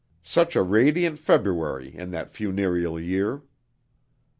Such a radiant February in that funereal year!